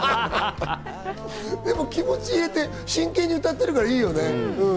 でも気持ち入れて真剣に歌ってるからいいよね。